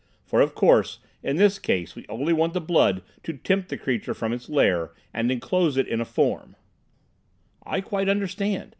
For, of course, in this case, we only want the blood to tempt the creature from its lair and enclose it in a form—" "I quite understand.